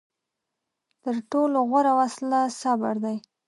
تر ټولو غوره وسله صبر دی.